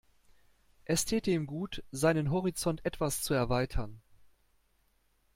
Es täte ihm gut, seinen Horizont etwas zu erweitern.